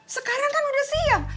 sekarang kan udah siang